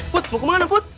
put mau kemana put